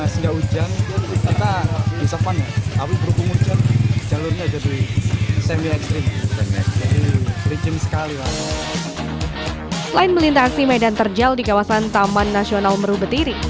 selain melintasi medan terjal di kawasan taman nasional merubetiri